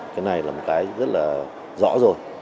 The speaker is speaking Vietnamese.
cái này là một cái rất là rõ rồi